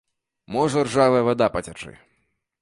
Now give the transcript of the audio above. Можа ржавая вада пацячы.